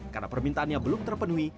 karena permintaannya belum terpenuhi